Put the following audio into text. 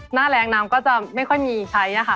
หน้าแรงน้ำก็จะไม่ค่อยมีใช้ค่ะ